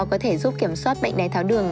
có thể giúp kiểm soát bệnh đầy tháo đường